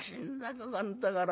ここんところ。